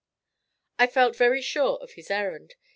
I felt very sure of his errand.